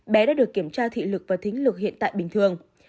bé đã được kiểm tra thị lực và thính lực hiện tại bình thường